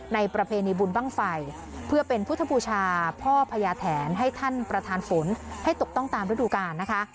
ประเพณีบุญบ้างไฟเพื่อเป็นพุทธบูชาพ่อพญาแถนให้ท่านประธานฝนให้ตกต้องตามฤดูกาลนะคะ